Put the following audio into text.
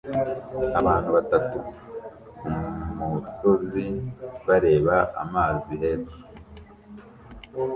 Abantu batatu kumusozi bareba amazi hepfo